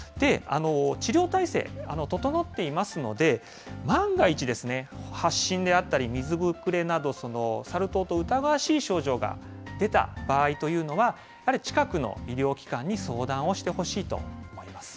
治療体制整っていますので、万が一、発疹であったり水ぶくれなど、サル痘と疑わしい症状が出た場合というのは、やはり近くの医療機関に相談をしてほしいと思います。